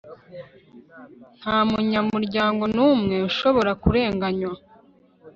nta munyamuryango n'umwe ushobora kurenganywa